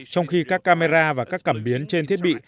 trong khi các camera và các cảm biến trên thiết bị